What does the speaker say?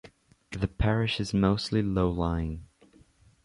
The parish is mostly low-lying.